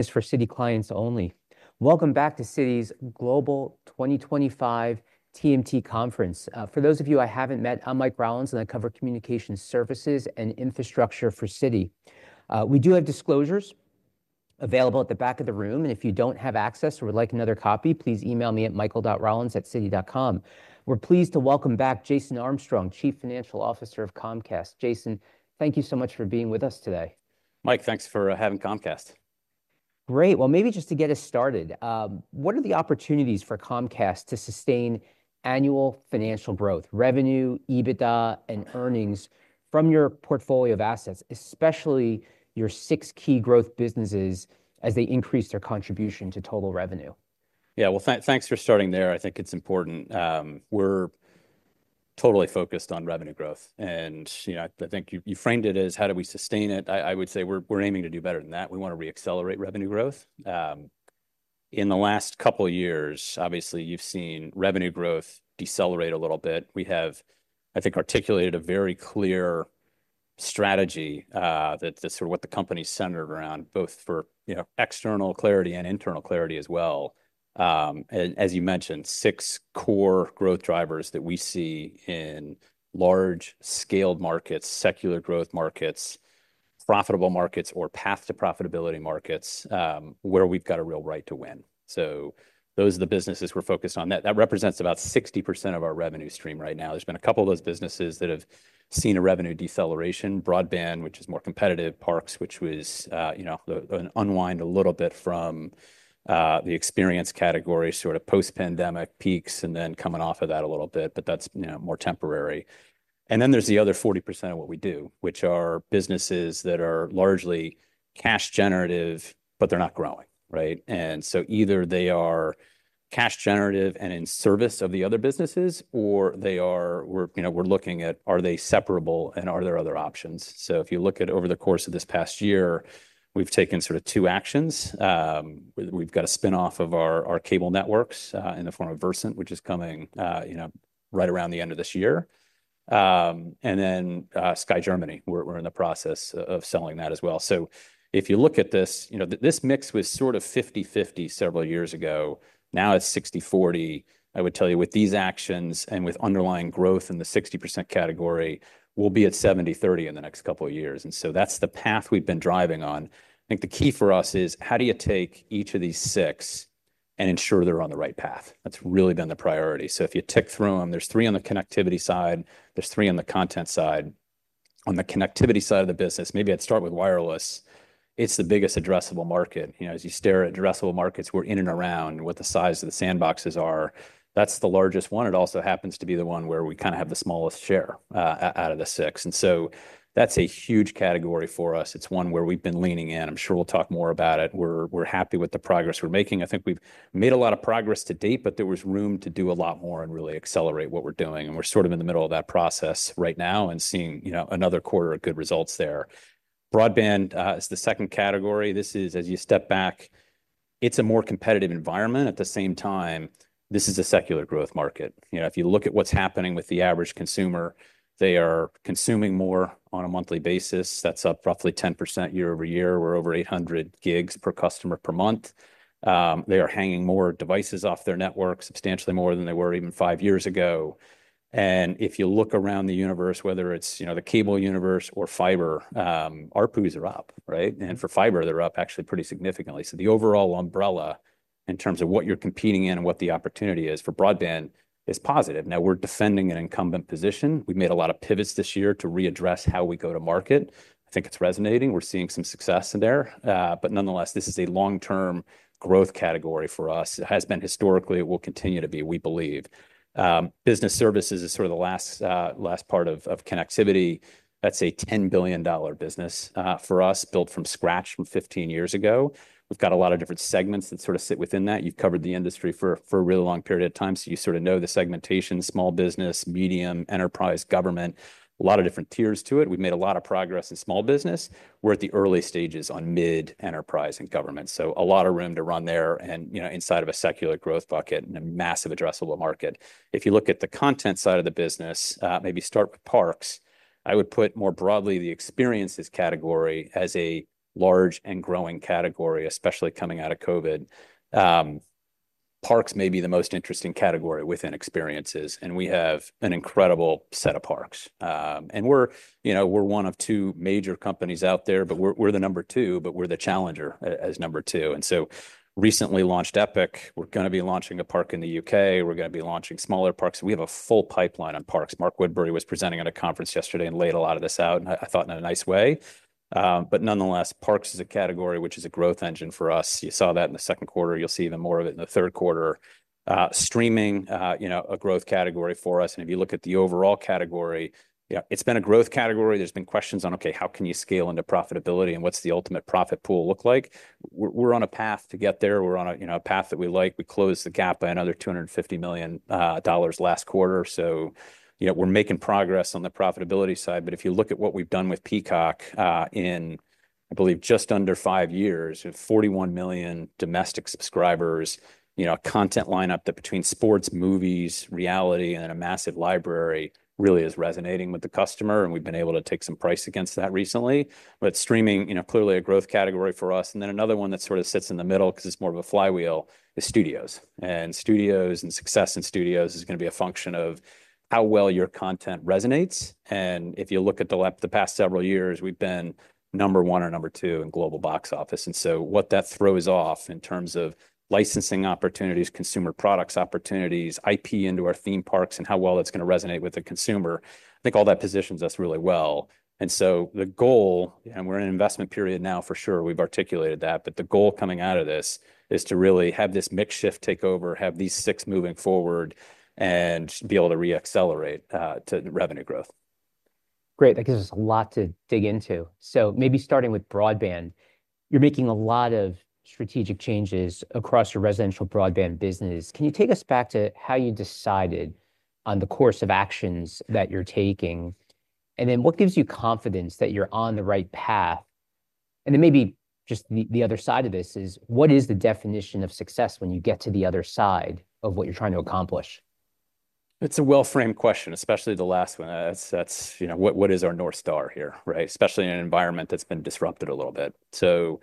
Is for Citi clients only. Welcome back to Citi's global twenty twenty five TMT conference. For those of you I haven't met, I'm Mike Rollins, and I cover communication services and infrastructure for Citi. We do have disclosures available at the back of the room. And if you don't have access or would like another copy, please email me at michael.rollins@Citi.com. We're pleased to welcome back Jason Armstrong, Chief Financial Officer of Comcast. Jason, thank you so much for being with us today. Mike, thanks for having Comcast. Great. Well, maybe just to get us started, what are the opportunities for Comcast to sustain annual financial growth, revenue, EBITDA and earnings from your portfolio of assets, especially your six key growth businesses as they increase their contribution to total revenue? Yes. Well, thanks for starting there. I think it's important. We're totally focused on revenue growth. And I think you framed it as how do we sustain it. I would say we're aiming to do better than that. We want to reaccelerate revenue growth. In the last couple of years, obviously, you've seen revenue growth decelerate a little bit. We have, I think, articulated a very clear strategy, that's sort of what the company is centered around both for external clarity and internal clarity as well. And as you mentioned, six core growth drivers that we see in large scaled markets, secular growth markets, profitable markets or path to profitability markets, where we've got a real right to win. So those are the businesses we're focused on. Represents about 60% of our revenue stream right now. There's been a couple of those businesses that have seen a revenue deceleration: broadband, which is more competitive parks, which was unwind a little bit from the experience category sort of post pandemic peaks and then coming off of that a little bit, but that's more temporary. And then there's the other 40% of what we do, which are businesses that are largely cash generative, but they're not growing, right? And so either they are cash generative and in service of the other businesses or they are we're looking at are they separable and are there other options. So if you look at over the course of this past year, we've taken sort of two actions. We've got a spin off of our cable networks in the form of Versant, which is coming right around the end of this year. And then Sky Germany, we're in the process of selling that as well. So if you look at this, this mix was sort of fifty-fifty several years ago. Now it's sixty-forty. I would tell you with these actions and with underlying growth in the 60% category, we'll be at seventy-thirty in the next couple of years. And so that's the path we've been driving on. I think the key for us is how do you take each of these six and ensure they're on the right path? That's really been the priority. So if you tick through them, there's three on the connectivity side. There's three on the content side. On the connectivity side of the business, maybe I'd start with wireless, it's the biggest addressable market. As you stare at addressable markets, we're in and around what the size of the sandboxes are. That's the largest one. It also happens to be the one where we kind of have the smallest share, out of the six. And so that's a huge category for us. It's one where we've been leaning in. I'm sure we'll talk more about it. We're happy with the progress we're making. I think we've made a lot of progress to date, but there was room to do a lot more and really accelerate what we're doing. And we're sort of in the middle of that process right now and seeing, you know, another quarter of good results there. Broadband, is the second category. This is as you step back, it's a more competitive environment. At the same time, this is a secular growth market. If you look at what's happening with the average consumer, they are consuming more on a monthly basis. That's up roughly 10% year over year. We're over 800 gigs per customer per month. They are hanging more devices off their network substantially more than they were even five years ago. And if you look around the universe, whether it's the cable universe or fiber, ARPUs are up, right? And for fiber, they're up actually pretty significantly. So the overall umbrella in terms of what you're competing in and what the opportunity is for broadband is positive. Now we're defending an incumbent position. We've made a lot of pivots this year to readdress how we go to market. I think it's resonating. We're seeing some success there. But nonetheless, this is a long term growth category for us. It has been historically, it will continue to be, we believe. Business services is sort of the last part of connectivity. That's a $10,000,000,000 business, for us built from scratch from fifteen years ago. We've got a lot of different segments that sort of sit within that. You've covered the industry for a really long period of time. You sort of know the segmentation, small business, medium, enterprise, government, a lot of different tiers to it. We've made a lot of progress in small business. We're at the early stages on mid enterprise and government. So a lot of room to run there and inside of a secular growth bucket and a massive addressable market. If you look at the content side of the business, maybe start with parks, I would put more broadly the experiences category as a large and growing category, especially coming out of COVID. Parks may be the most interesting category within experiences, and we have an incredible set of parks. And we're one of two major companies out there, but we're we're the number two, but we're the challenger as number two. And so recently launched Epic. We're going to be launching a park in The UK. We're going to be launching smaller parks. We have a full pipeline on parks. Mark Woodbury was presenting at a conference yesterday and laid a lot of this out, and I I thought in a nice way. But nonetheless, parks is a category, which is a growth engine for us. You saw that in the second quarter. You'll see even more of it in the third quarter. Streaming, you know, a growth category for us. And if you look at the overall category, yeah, it's been a growth category. There's been questions on, okay, how can you scale into profitability and what's the ultimate profit pool look like. We're on a path to get there. We're on a path that we like. We closed the gap by another $250,000,000 last quarter. We're making progress on the profitability side. But if you look at what we've done with Peacock, in, I believe, just under five years, 41,000,000 domestic subscribers, content lineup that between sports, movies, reality and a massive library really is resonating with the customer, and we've been able to take some price against that recently. But streaming, you know, clearly a growth category for us. And then another one that sort of sits in the middle because it's more of a flywheel is studios. And studios and success in studios is gonna be a function of how well your content resonates. And if you look at the past several years, we've been number one or number two in global box office. And so what that throws off in terms of licensing opportunities, consumer products opportunities, IP into our theme parks and how well it's going to resonate with the consumer. I think all that positions us really well. And so the goal and we're in an investment period now for sure, we've articulated that. But the goal coming out of this is to really have this mix shift take over, have these six moving forward and be able to reaccelerate to the revenue growth. Great. That gives us a lot to dig into. So maybe starting with broadband. You're making a lot of strategic changes across your residential broadband business. Can you take us back to how you decided on the course of actions that you're taking? And then what gives you confidence that you're on the right path? And then maybe just the other side of this is what is the definition of success when you get to the other side of what you're trying to accomplish? It's a well framed question, especially the last one. That's that's, you know, what what is our North Star here, right, especially in an environment that's been disrupted a little bit. So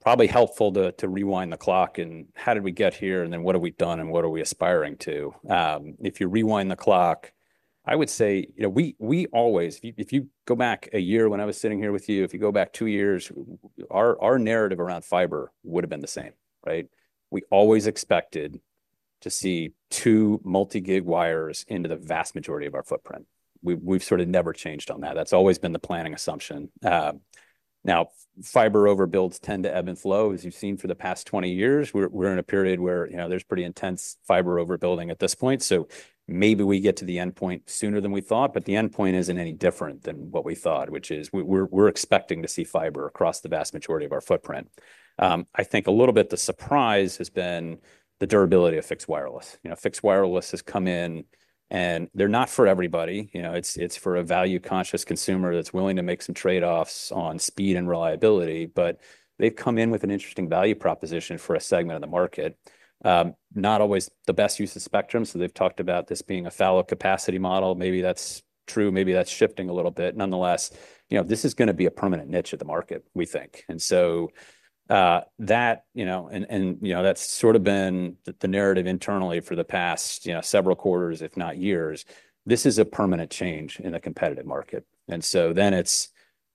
probably helpful to to rewind the clock and how did we get here, and then what have we done, and what are we aspiring to. If you rewind the clock, I would say, you know, we we always if if you go back a year when I was sitting here with you, if you go back two years, our our narrative around fiber would have been the same. Right? We always expected to see two multi gig wires into the vast majority of our footprint. We've sort of never changed on that. That's always been the planning assumption. Now fiber overbuilds tend to ebb and flow. As you've seen for the past twenty years, we're in a period where, you know, there's pretty intense fiber overbuilding at this point. So maybe we get to the endpoint sooner than we thought, but the endpoint isn't any different than what we thought, which is we're expecting to see fiber across the vast majority of our footprint. I think a little bit the surprise has been the durability of fixed wireless. Fixed wireless has come in, and they're not for everybody. It's for a value conscious consumer that's willing to make some trade offs on speed and reliability, but they've come in with an interesting value proposition for a segment of the market. Not always the best use of spectrum, so they've talked about this being a fallow capacity model. Maybe that's true. Maybe that's shifting a little bit. Nonetheless, this is going to be a permanent niche of the market, we think. And so that and that's sort of been the narrative internally for the past several quarters, if not years. This is a permanent change in the competitive market. And so then it's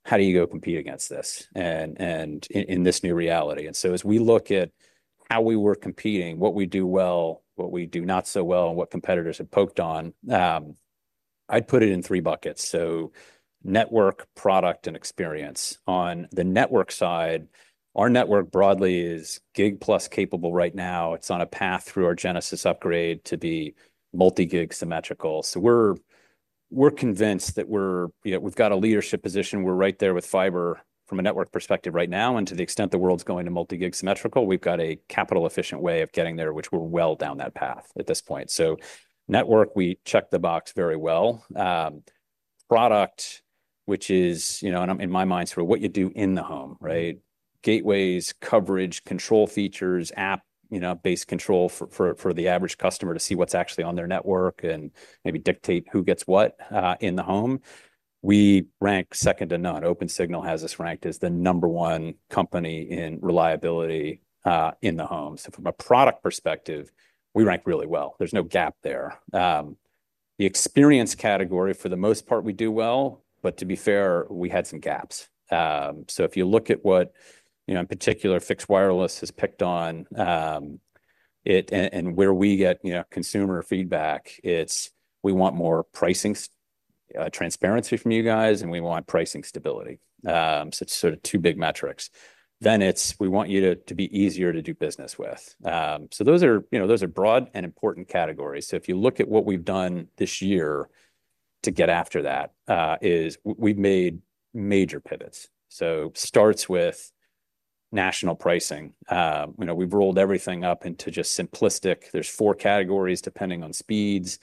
how do you go compete against this and and in in this new reality. And so as we look at how we were competing, what we do well, what we do not so well, and what competitors have poked on, I'd put it in three buckets. So network, product, and experience. On the network side, our network broadly is gig plus capable right now. It's on a path through our Genesys upgrade to be multi gig symmetrical. So we're we're convinced that we're, you know, we've got a leadership position. We're right there with fiber from a network perspective right now. And to the extent the world's going to multi gig symmetrical, we've got a capital efficient way of getting there, which we're well down that path at this point. So network, we check the box very well. Product, which is in my mind sort of what you do in the home, right? Gateways, coverage, control features, app based control for the average customer to see what's actually on their network and maybe dictate who gets what in the home. We rank second to none. OpenSignal has us ranked as the number one company in reliability, in the home. So from a product perspective, we rank really well. There's no gap there. The experience category, for the most part, we do well. But to be fair, we had some gaps. So if you look at what, you know, in particular, fixed wireless has picked on it and where we get, you know, consumer feedback, it's we want more pricing transparency from you guys and we want pricing stability. So it's sort of two big metrics. Then it's we want you to be easier to do business with. So those are broad and important categories. So if you look at what we've done this year to get after that, is we've major pivots. So starts with national pricing. We've rolled everything up into just simplistic. There's four categories depending on speeds.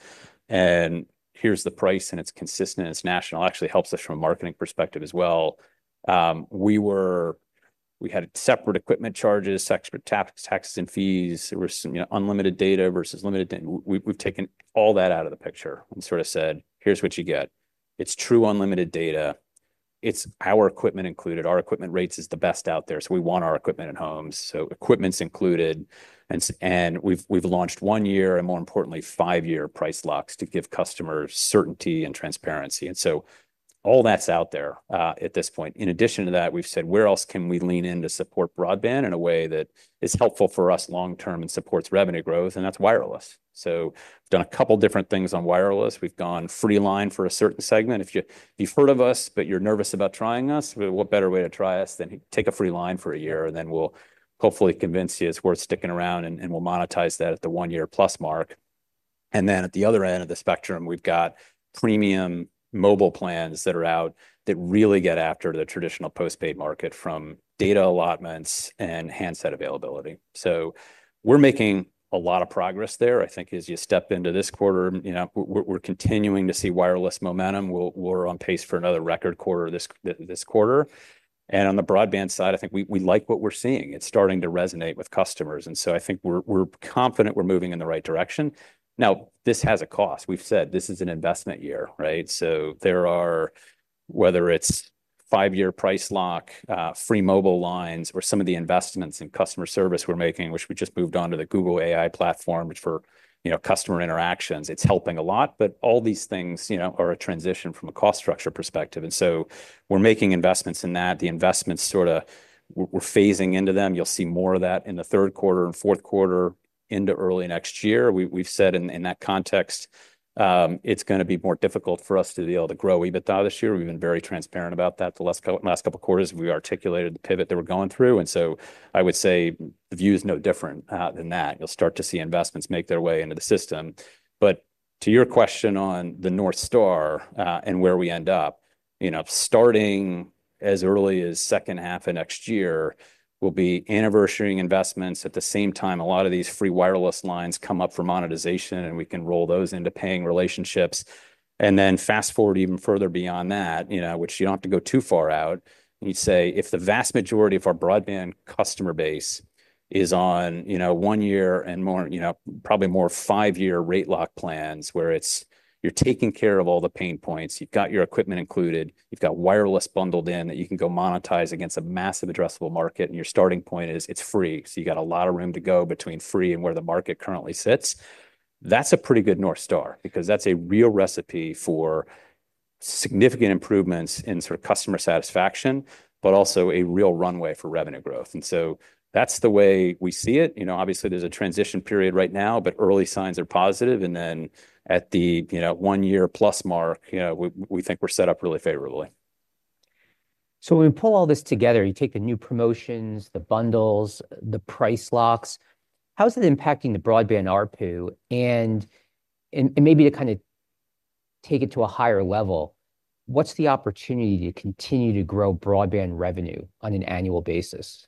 And here's the price, and it's consistent. It's national. It actually helps us from a marketing perspective as well. We were we had separate equipment charges, tax tax and fees. There were some, you know, unlimited data versus limited we've we've taken all that out of the picture and sort of said, here's what you get. It's true unlimited data. It's our equipment included. Our equipment rates is the best out there. So we want our equipment at homes. So equipment's included. And and we've we've launched one year and more importantly, five year price locks to give customers certainty and transparency. And so all that's out there, at this point. In addition to that, we've said where else can we lean in to support broadband in a way that is helpful for us long term and supports revenue growth, and that's wireless. So we've done a couple of different things on wireless. We've gone free line for a certain segment. If you've heard of us, but you're nervous about trying us, what better way to try us than take a free line for a year, and then we'll hopefully convince you it's worth sticking around, and we'll monetize that at the one year plus mark. And then at the other end of the spectrum, we've got premium mobile plans that are out that really get after the traditional postpaid market from data allotments and handset availability. So we're making a lot of progress there. I think as you step into this quarter, we're continuing to see wireless momentum. We're on pace for another record quarter this quarter. And on the broadband side, I think we like what we're seeing. It's starting to resonate with customers. And so I think we're confident we're moving in the right direction. Now this has a cost. We've said this is an investment year, right? So there are whether it's five year price lock, free mobile lines or some of the investments in customer service we're making, which we just moved on to the Google AI platform for customer interactions, it's helping a lot. But all these things are a transition from a cost structure perspective. And so we're making investments in that. The investments sort of we're phasing into them. You'll see more of that in the third quarter and fourth quarter into early next year. We've said in that context, it's going to be more difficult for us to be able to grow EBITDA this year. We've been very transparent about that for the last couple of quarters. We articulated the pivot that we're going through. And so I would say the view is no different than that. You'll start to see investments make their way into the system. But to your question on the North Star, and where we end up, starting as early as second half of next year, we'll be anniversarying investments. At the same time, a lot of these free wireless lines come up for monetization and we can roll those into paying relationships. And then fast forward even further beyond that, which you don't have to go too far out, you'd say if the vast majority of our broadband customer base is on one year and more probably more five year rate lock plans where it's you're taking care of all the pain points, you've got your equipment included, you've got wireless bundled in that you can go monetize against a massive addressable market and your starting point So you got a lot of room to go between free and where the market currently sits. That's a pretty good North Star, because that's a real recipe for significant improvements in sort of customer satisfaction, but also a real runway for revenue growth. And so that's the way we see it. Obviously, there's a transition period right now, but early signs are positive. And then at the one year plus mark, we think we're set up really favorably. So when we pull all this together, you take the new promotions, the bundles, the price locks, how is it impacting the broadband ARPU? And maybe to kind of take it to a higher level, what's the opportunity to continue to grow broadband revenue on an annual basis?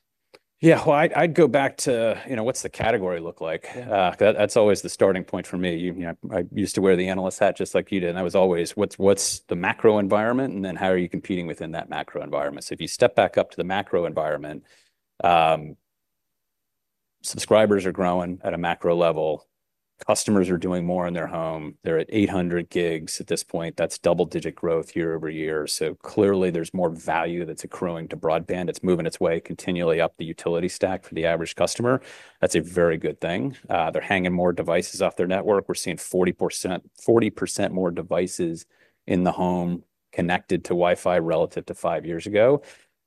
Yeah. Well, I'd go back to, you know, what's the category look like? That's always the starting point for me. You know, I used to wear the analyst hat just like you did, and I was always, what's what's the macro environment and then how are you competing within that macro environment? So if you step back up to the macro environment, subscribers are growing at a macro level, customers are doing more in their home, they're at 800 gigs at this point, that's double digit growth year over year. So clearly there's more value that's accruing to broadband, it's moving its way continually up the utility stack for average customer. That's a very good thing. They're hanging more devices off their network. We're seeing 40% more devices in the home connected to WiFi relative to five years ago.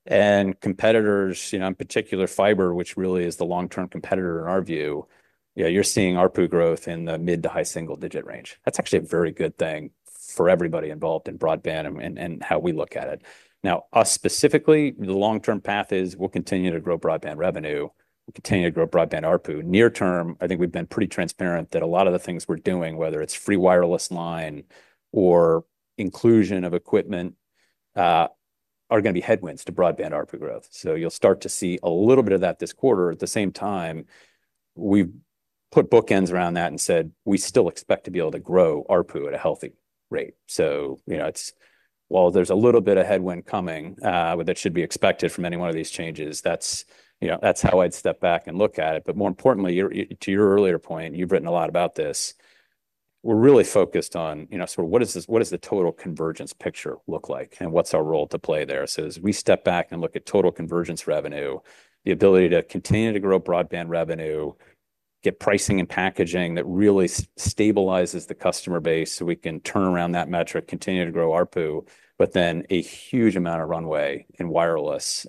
And competitors, in particular fiber, which really is the long term competitor in our view, you're seeing ARPU growth in the mid to high single digit range. That's actually a very good thing for everybody involved in broadband and how we look at it. Now us specifically, the long term path is we'll continue to grow broadband revenue, we'll continue to grow broadband ARPU. Near term, I think we've been pretty transparent that a lot of the things we're doing, whether it's free wireless line or inclusion of equipment, are going to be headwinds to broadband ARPU growth. So you'll start to see a little bit of that this quarter. At the same time, we put bookends around that and said, we still expect to be able to grow ARPU at a healthy rate. So it's while there's a little bit of headwind coming, but that should be expected from any one of these changes, that's how I'd step back and look at it. But more importantly, to your earlier point, you've written a lot about this. We're really focused on sort of what is this what does the total convergence picture look like and what's our role to play there. So as we step back and look at total convergence revenue, the ability to continue to grow broadband revenue, get pricing and packaging that really stabilizes the customer base, so we can turn around that metric, continue to grow ARPU, but then a huge amount of runway in wireless,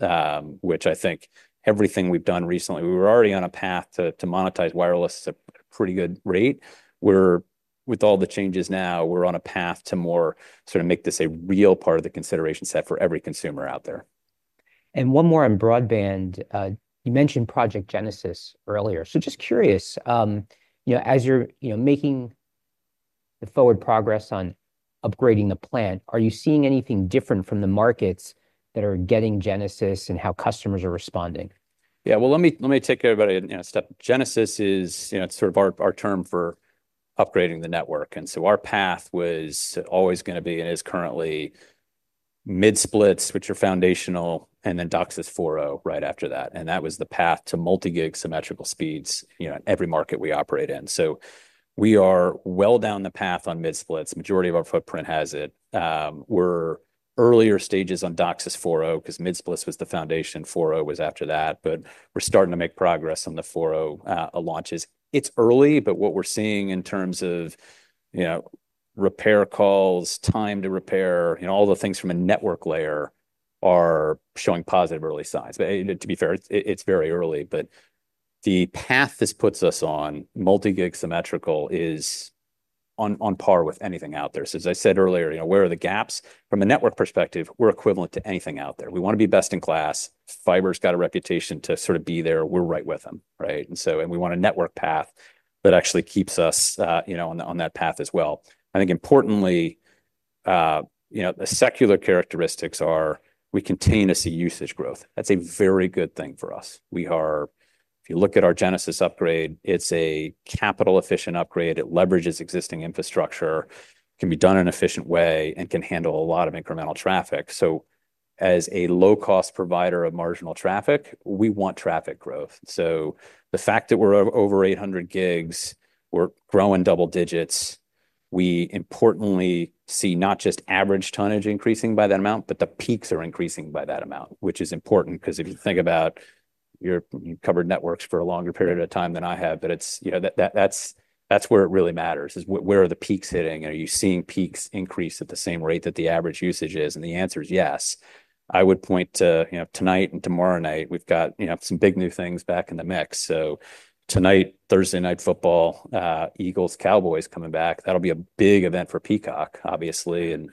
which I think everything we've done recently, we were already on a path to monetize wireless at a pretty good rate. We're with all the changes now, we're on a path to more sort of make this a real part of the consideration set for every consumer out there. And one more on broadband. You mentioned Project Genesis earlier. So just curious, as you're making the forward progress on upgrading the plant, are you seeing anything different from the markets that are getting Genesis and how customers are responding? Yes. Well, let me take everybody a step. Genesis is sort of our term for upgrading the network. And so our path was always going to be and is currently mid splits, which are foundational and then DOCSIS four point zero right after that. And that was the path to multi gig symmetrical speeds, you know, in every market we operate in. So we are well down the path on mid splits. Majority of our footprint has it. We're earlier stages on DOCSIS four point because mid splits was the foundation, four point zero was after that. But we're starting to make progress on the four point zero launches. It's early, but what we're seeing in terms of repair calls, time to repair and all the things from a network layer are showing positive early signs. To be fair, it's very early, but the path this puts us on multi gig symmetrical is on par with anything out there. So as I said earlier, where are the gaps? From a network perspective, we're equivalent to anything out there. We want to be best in class. Fiber's got a reputation to sort of be there. We're right with them, right? And so and we want a network path that actually keeps us on that path as well. I think importantly, the secular characteristics are we continue to see usage growth. That's a very good thing for us. We are if you look at our Genesis upgrade, it's a capital efficient upgrade. It leverages existing infrastructure, can be done in an efficient way and can handle a lot of incremental traffic. So as a low cost provider of marginal traffic, we want traffic growth. So the fact that we're over 800 gigs, we're growing double digits, we importantly see not just average tonnage increasing by that amount, but the peaks are increasing by that amount, which is important because if you think about covered networks for a longer period of time than I have, but it's that's where it really matters is where are the peaks hitting? Are you seeing peaks increase at the same rate that the average usage is? And the answer is yes. I would point to, you know, tonight and tomorrow night, we've got, you know, some big new things back in the mix. So tonight, Thursday Night Football, Eagles, Cowboys coming back. That'll be a big event for Peacock, obviously, and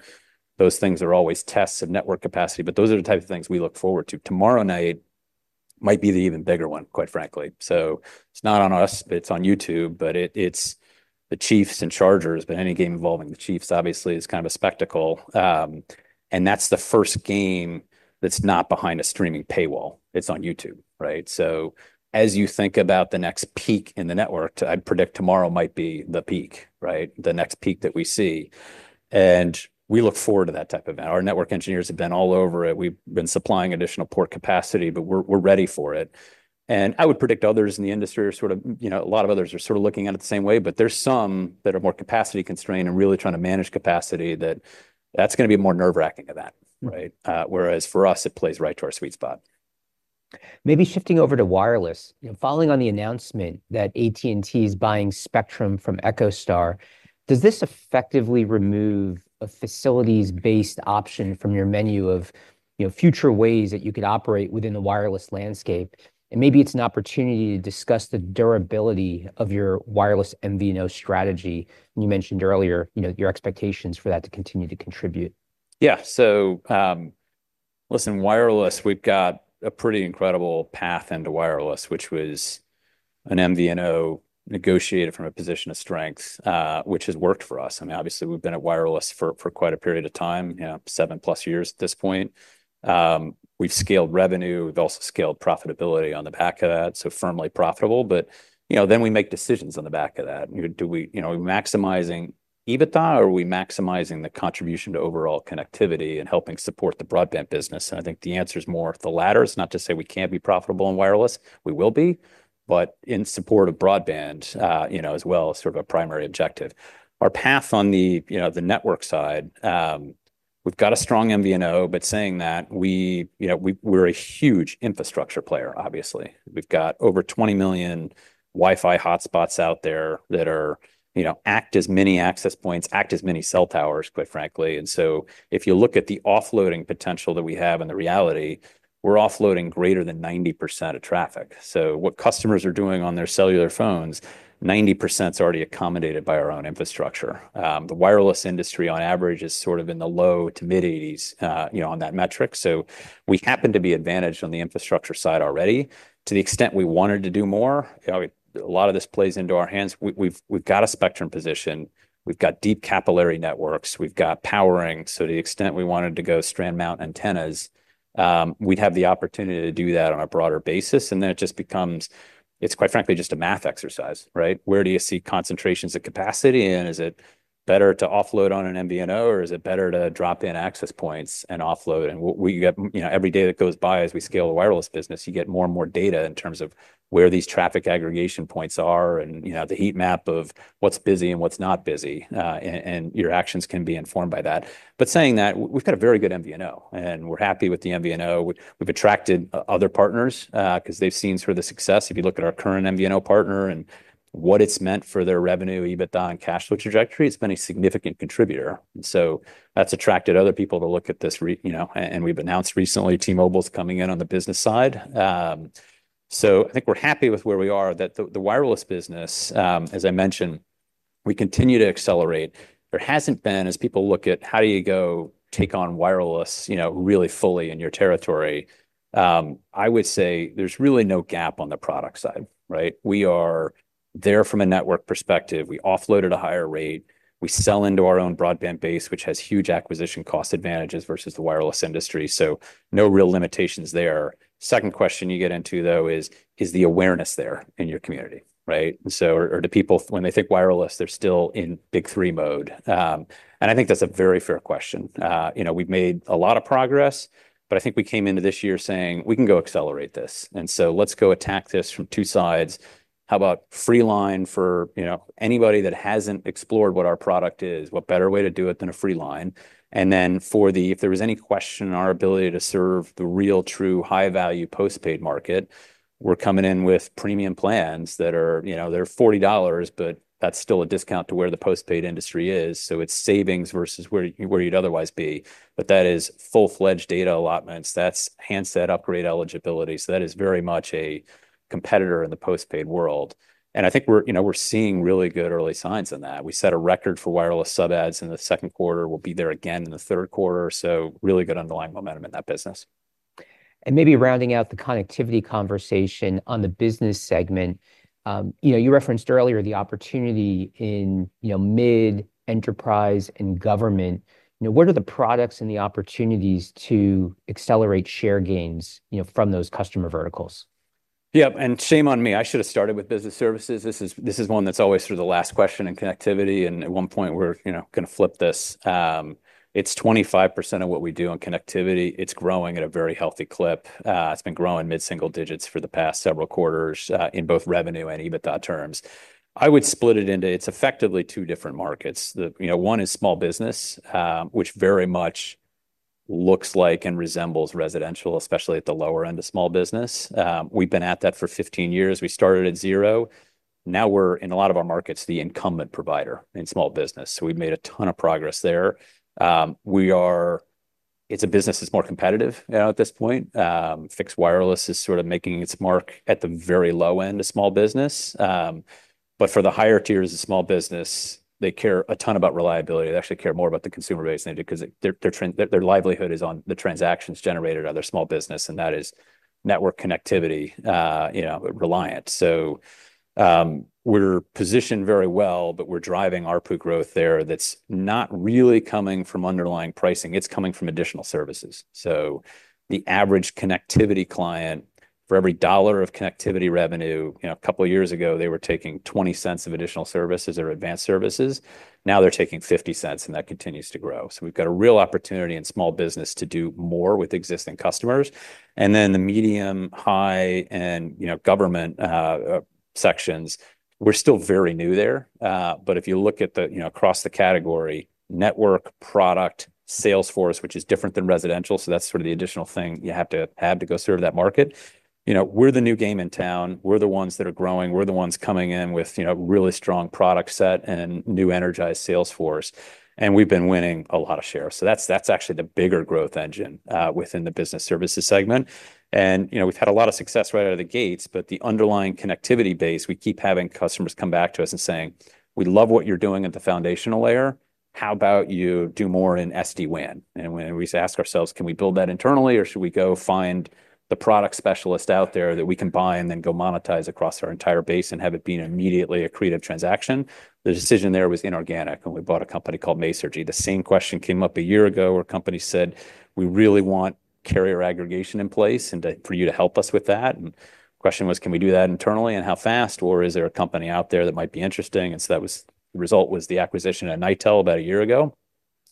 those things are always tests of network capacity. But those are the type of things we look forward to. Tomorrow night might be the even bigger one, quite frankly. So it's not on us. It's on YouTube, but it it's the Chiefs and Chargers. But any game involving the Chiefs, obviously, is kind of a spectacle. And that's the first game that's not behind a streaming paywall. It's on YouTube. Right? So as you think about the next peak in the network, I predict tomorrow might be the peak, right, the next peak that we see. And we look forward to that type of our network engineers have been all over it. We've been supplying additional port capacity, but we're we're ready for it. And I would predict others in the industry are sort of you know, a lot of others are sort of looking at it the same way, but there's some that are more capacity constrained and really trying to manage capacity that that's going to be more nerve wracking of that, right? Whereas for us, it plays right to our sweet spot. Maybe shifting over to wireless. Following on the announcement that AT and T is buying spectrum from EchoStar, does this effectively remove a facilities based option from your menu of future ways that you could operate within the wireless landscape? And maybe it's an opportunity to discuss the durability of your wireless MVNO strategy. You mentioned earlier your expectations for that to continue to contribute. Yes. So listen, wireless, we've got a pretty incredible path into wireless, which was an MVNO negotiated from a position of strength, which has worked for us. I mean, obviously, we've been at wireless for quite a period of time, seven plus years at this point. We've scaled revenue. We've also scaled profitability on the back of that, so firmly profitable. But then we make decisions on the back of that. Do we maximizing EBITDA or are we maximizing the contribution to overall connectivity and helping support the broadband business? And I think the answer is more of the latter. It's not to say we can't be profitable in wireless, we will be, but in support of broadband as well as sort of a primary objective. Our path on the network side, we've got a strong MVNO, but saying that we're a huge infrastructure player, obviously. We've got over 20,000,000 WiFi hotspots out there that are act as many access points, act as many cell towers, quite frankly. And so if you look at the offloading potential that we have and the reality, we're offloading greater than 90% of traffic. So what customers are doing on their cellular phones, 90% is already accommodated by our own infrastructure. The wireless industry on average is sort of in the low to mid-80s, on that metric. So we happen to be advantaged on the infrastructure side already. To the extent we wanted to do more, a lot of this plays into our hands. We've got a spectrum position. We've got deep capillary networks. We've got powering. So to the extent we wanted to go strand mount antennas, we'd have the opportunity to do that on a broader basis. And then it just becomes it's quite frankly just a math exercise, right? Where do you see concentrations of capacity? And is it better to offload on an MVNO? Or is it better to drop in access points and offload? And we get every day that goes by as we scale the wireless business, you get more and more data in terms of where these traffic aggregation points are and the heat map of what's busy and what's not busy, and your actions can be informed by that. But saying that, we've got a very good MVNO, and we're happy with the MVNO. We've other partners, because they've seen sort of the success. If you look at our current MVNO partner and what it's meant for their revenue, EBITDA and cash flow trajectory, it's been a significant contributor. So that's attracted other people to look at this and we've announced recently T Mobile is coming in on the business side. So I think we're happy with where we are that the wireless business, as I mentioned, we continue to accelerate. There hasn't been as people look at how do you go take on wireless really fully in your territory, I would say there's really no gap on the product side, right? We are there from a network perspective. We offloaded a higher rate. We sell into our own broadband base, which has huge acquisition cost advantages versus the wireless industry. So no real limitations there. Second question you get into, though, is is the awareness there in your community. Right? And so or do people, when they think wireless, they're still in big three mode? And I think that's a very fair question. We've made a lot of progress, but I think we came into this year saying, we can go accelerate this. And so let's go attack this from two sides. How about free line for anybody that hasn't explored what our product is? What better way to do it than a free line? And then for the if there was any question in our ability to serve the real true high value postpaid market, we're coming in with premium plans that are they're $40 but that's still a discount to where the postpaid industry is. So it's savings versus where you'd otherwise be. But that is full fledged data allotments, that's handset upgrade eligibility. So that is very much a competitor in the postpaid world. I And think we're seeing really good early signs on that. We set a record for wireless sub adds in the second quarter. We'll be there again in the third quarter. So really good underlying momentum in that business. And maybe rounding out the connectivity conversation on the business segment. You referenced earlier the opportunity in mid enterprise and government. What are the products and the opportunities to accelerate share gains from those customer verticals? Yep. And shame on me. I should have started with business services. This is one that's always through the last question in connectivity. And at one point, we're going to flip this. It's 25% of what we do in connectivity. It's growing at a very healthy clip. It's been growing mid single digits for the past several quarters in both revenue and EBITDA terms. I would split it into it's effectively two different markets. One is small business, which very much looks like and resembles residential, especially at the lower end of small business. We've been at that for fifteen years. We started at zero. Now we're in a lot of our markets, incumbent provider in small business. So we've made a ton of progress there. We are it's a business that's more competitive now at this point. Fixed wireless is sort of making its mark at the very low end of small business. But for the higher tiers of small business, they care a ton about reliability. They actually care more about the consumer base because their livelihood is on the transactions generated on their small business and that is network connectivity, Reliant. So, we're positioned very well, but we're driving ARPU growth there that's not really coming from underlying pricing. It's coming from additional services. So the average connectivity client for every dollar of connectivity revenue, a couple of years ago, were taking $0.20 of additional services or advanced services. Now they're taking $0.50 and that continues to grow. So we've got a real opportunity in small business to do more with existing customers. And then the medium, high and government sections, we're still very new there. But if you look at the across the category, network, product, sales force, which is different than residential, so that's sort of the additional thing you have to have to go serve that market. We're the new game in town. We're the ones that are growing. We're the ones coming in with really strong product set and new energized sales force. And we've been winning a lot of share. So that's actually the bigger growth engine within the Business Services segment. And we've had a lot of success right out of the gates, but the underlying connectivity base, we keep having customers come back to us and saying, we love what you're doing at the foundational layer. How about you do more in SD WAN? And when we ask ourselves, can we build that internally? Or should we go find the product specialist out there that we can buy and then go monetize across our entire base and have it be an immediately accretive transaction? The decision there was inorganic, and we bought a company called Maesergy. The same question came up a year ago, where company said, we really want carrier aggregation in place and for you to help us with that. Question was, can we do that internally and how fast? Or is there a company out there that might be interesting? And so that was result was the acquisition of Nitell about a year ago.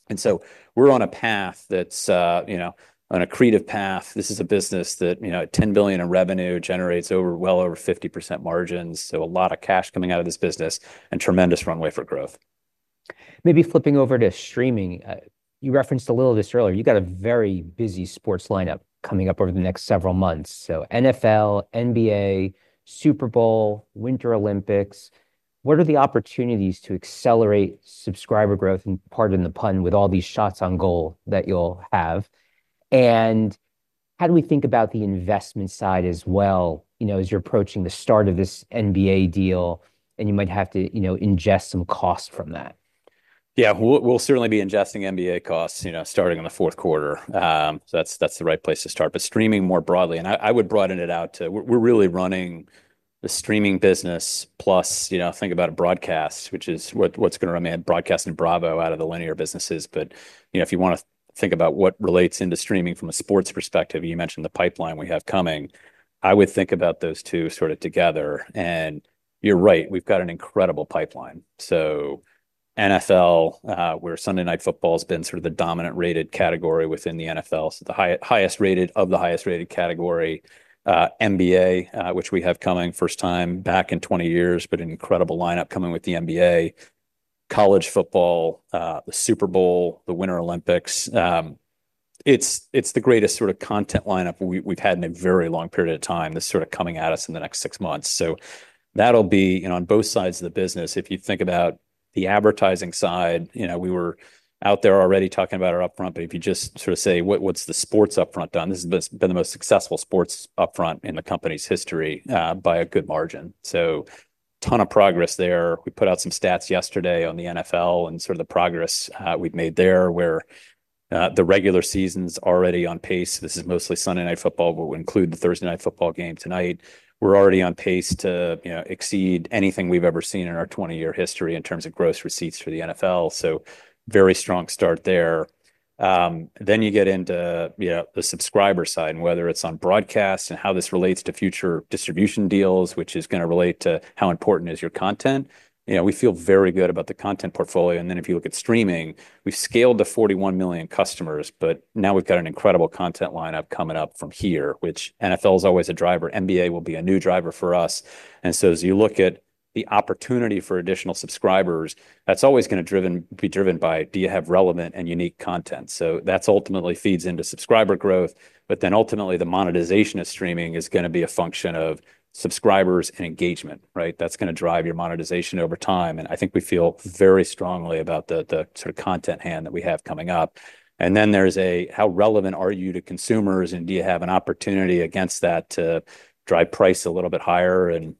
And so we're on a path that's an accretive path. This is a business that at $10,000,000,000 in revenue generates over well over 50% margins. So a lot of cash coming out of this business and tremendous runway for growth. Maybe flipping over to streaming. You referenced a little of this earlier. You got a very busy sports lineup coming up over the next several months. So NFL, NBA, Super Bowl, Winter Olympics, what are the opportunities to accelerate subscriber growth, pardon the pun, with all these shots on goal that you'll have? And how do we think about the investment side as well as you're approaching the start of this NBA deal, and you might have to ingest some cost from that? Yes. We'll certainly be ingesting NBA costs starting in the fourth quarter. So that's the right place to start. But streaming more broadly, and I would broaden it out to we're really running the streaming business plus think about broadcast, which is what's going remain broadcast and Bravo out of the linear businesses. But if you want to think about what relates into streaming from a sports perspective, you mentioned the pipeline we have coming, I would think about those two sort of together. And you're right, we've got an incredible pipeline. So NFL, where Sunday Night Football has been sort of the dominant rated category within the NFL, so the highest rated of the highest rated category. NBA, which we have coming first time back in twenty years, but an incredible lineup coming with the NBA, college football, the Super Bowl, the Winter Olympics. It's the greatest sort of content lineup we've had in a very long period of time that's sort of coming at us in the next six months. So that'll be on both sides of the business. If you think about the advertising side, we were out there already talking about our upfront. But if you just sort of say, what's the sports upfront done? This has been the most successful sports upfront in the company's history by a good margin. So ton of progress there. We put out some stats yesterday on the NFL and sort of the progress we've made there, where the regular season's already on pace. This is mostly Sunday night football, but we'll include the Thursday night football game tonight. We're already on pace to, you know, exceed anything we've ever seen in our twenty year history in terms of gross receipts for the NFL. So very strong start there. Then you get into the subscriber side and whether it's on broadcast and how this relates to future distribution deals, which is going to relate to how important is your content. We feel very good about the content portfolio. And then if you look at streaming, we scaled to 41,000,000 customers, but now we've got an incredible content lineup coming up from here, which NFL is always a driver, NBA will be a new driver for us. And so as you look at the opportunity for additional subscribers, that's always going to be driven by do you have relevant and unique content. So that ultimately feeds into subscriber growth. But then ultimately, the monetization of streaming is going to be a function of subscribers and engagement, right? That's going to drive your monetization over time. And I think we feel very strongly about the sort of content hand that we have coming up. And then there's a how relevant are you to consumers and do you have an opportunity against that to drive price a little bit higher? And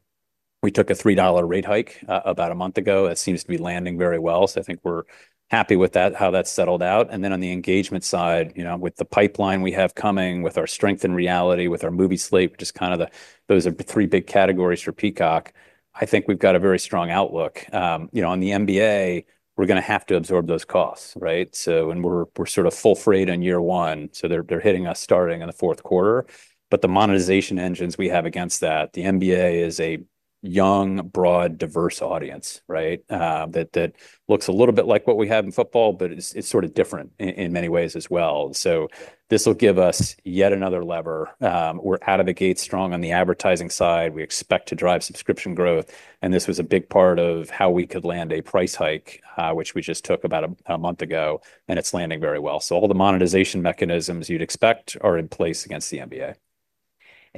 we took a $3 rate hike about a month ago. It seems to be landing very well. So I think we're happy with that, how that's settled out. And then on the engagement side, with the pipeline we have coming, with our strength in reality, with our movie slate, just kind of the those are the three big categories for Peacock. I think we've got a very strong outlook. The NBA, we're going to have to absorb those costs, right? So and we're sort of full freight on year one, so they're hitting us starting in the fourth quarter. But the monetization engines we have against that, the NBA is a young, broad, diverse audience, right, that looks a little bit like what we have in football, but it's sort of different in many ways as well. So this will give us yet another lever. We're out of the gate strong on the advertising side. We expect to drive subscription growth. And this was a big part of how we could land a price hike, which we just took about a month ago, and it's landing very well. So all the monetization mechanisms you'd expect are in place against the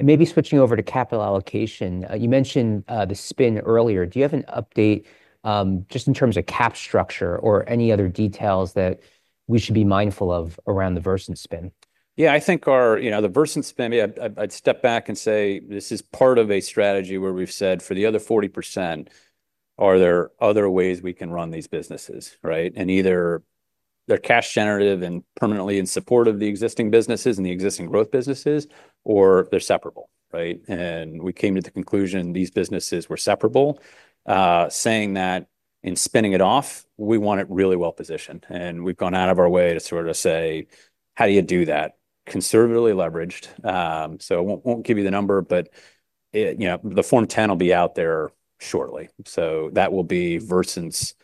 NBA. And maybe switching over to capital allocation. You mentioned the spin earlier. Do you have an update just in terms of cap structure or any other details that we should be mindful of around the Versant spin? Yes. I think our the Versant spin, I'd step back and say this is part of a strategy where we've said for the other 40%, are there other ways we can run these businesses, right? And either they're cash generative and permanently in support of the existing businesses and the existing growth businesses or they're separable, right? And we came to the conclusion these businesses were separable, saying that in spinning it off, we want it really well positioned. And we've gone out of our way to sort of say, how do you do that? Conservatively leveraged. So I won't give you the number, but the Form 10 will be out there shortly. So that will be Versant's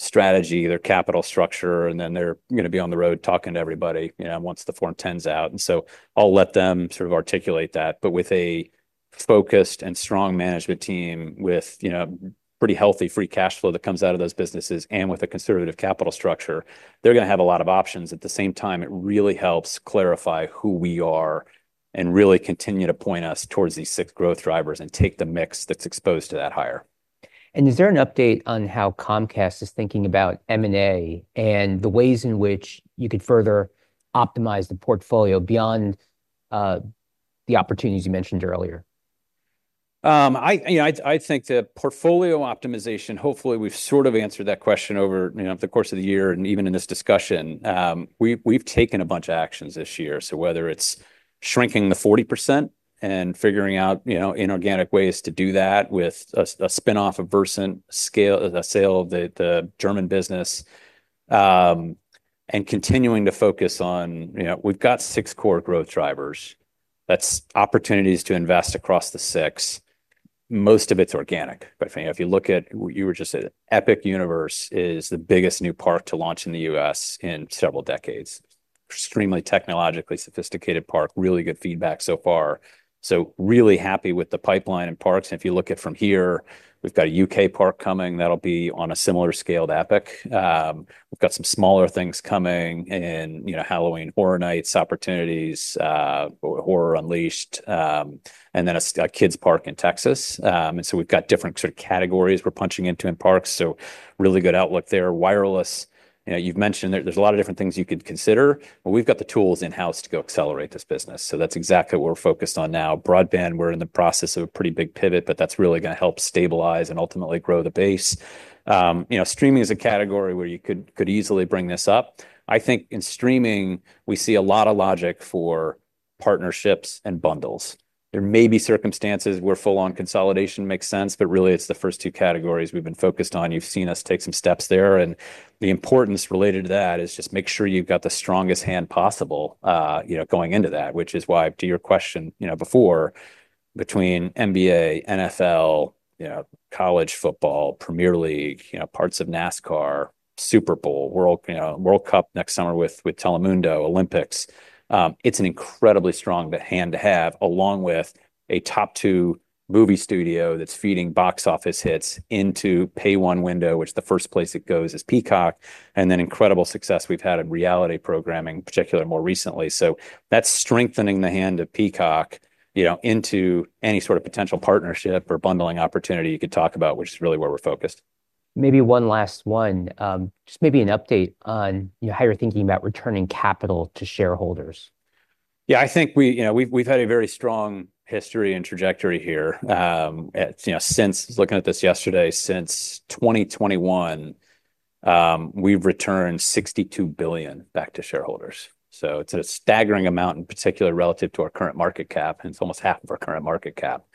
strategy, their capital structure and then they're going to be on the road talking to everybody once the Form 10 is out. And so I'll let them sort of articulate that. But with a focused and strong management team with pretty healthy free cash flow that comes out of those businesses and with a conservative capital structure, they're going to have a lot of options. At the same time, it really helps clarify who we are and really continue to point us towards these six growth drivers and take the mix that's exposed to that higher. And is there an update on how Comcast is thinking about M and A and the ways in which you could further optimize the portfolio beyond the opportunities you mentioned earlier? I think the portfolio optimization, hopefully, we've sort of answered that question over the course of the year and even in this discussion. We've taken a bunch of actions this year. So whether it's shrinking the 40% and figuring out inorganic ways to do that with a spin off of Versant, scale the sale of the German business and continuing to focus on we've got six core growth drivers. That's opportunities to invest across the six. Most of it's organic. But if you look at what you were just saying, Epic Universe is the biggest new park to launch in The U. S. In several decades. Extremely technologically sophisticated park, really good feedback so far. So really happy with the pipeline and parks. And if you look at from here, we've got a UK park coming that will be on a similar scale to Epic. We've got some smaller things coming in Halloween Horror Nights opportunities, Horror Unleashed and then a kids' park in Texas. And so we've got different sort of categories we're punching into in parks. So really good outlook there. Wireless, you've mentioned there's a lot of different things you could consider, but we've got the tools in house to go accelerate this business. So that's exactly what we're focused on now. Broadband, we're in the process of a pretty big pivot, but that's really going to help stabilize and ultimately grow the base. Streaming is a category where you could easily bring this up. I think in streaming, we see a lot of logic for partnerships and bundles. There may be circumstances where full on consolidation consolidation makes sense, but really it's the first two categories we've been focused on. You've seen us take some steps there. And the importance related to that is just make sure you've got the strongest hand possible going into that, which is why to your question before between NBA, NFL, you know, college football, Premier League, you know, parts of NASCAR, Super Bowl, World, you know, World Cup next summer with with Telemundo, Olympics. It's an incredibly strong hand to have along with a top two movie studio that's feeding box office hits into pay one window, which the first place it goes is Peacock, and then incredible success we've had in reality programming, particularly more recently. So that's strengthening the hand of Peacock into any sort of potential partnership or bundling opportunity you could talk about, which is really where we're focused. Maybe one last one. Just maybe an update on how you're thinking about returning capital to shareholders. Yes. I think we've had a very strong history and trajectory here. Since looking at this yesterday, since 2021, we've returned $62,000,000,000 back to shareholders. So it's a staggering amount in particular relative to our current market cap, and it's almost half of our current market cap.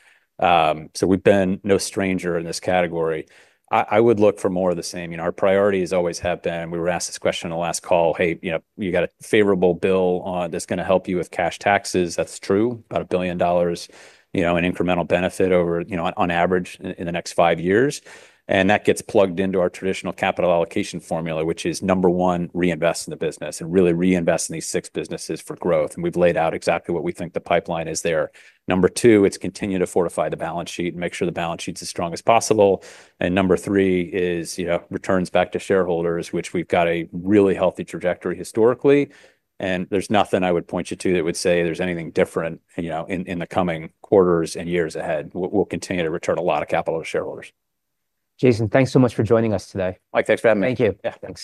So we've been no stranger in this category. I would look for more of the same. Our priorities always have been we were asked this question in the last call, hey, you got a favorable bill that's going to help you with cash taxes. That's true, about $1,000,000,000 an incremental benefit over on average in the next five years. And that gets plugged into our traditional capital allocation formula, which is number one, reinvest in the business and really reinvest in these six businesses for growth. And we've laid out exactly what we think the pipeline is there. Number two, it's continue to fortify the balance sheet and make sure the balance sheet is as strong as possible. And number three is returns back to shareholders, which we've got a really healthy trajectory historically. And there's nothing I would point you to that would say there's anything different in the coming quarters and years ahead. We'll continue to return a lot of capital to shareholders. Jason, thanks so much for joining us today. Mike, thanks for having me. Thank you. Thanks.